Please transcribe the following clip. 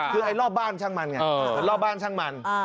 คือไอ้รอบบ้านช่างมันไงรอบบ้านช่างมัน